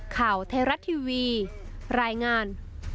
ข่าวไทยรัฐทีวีรายงาน